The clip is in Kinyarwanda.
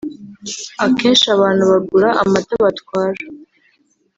akeshi abantu bagura amata batwara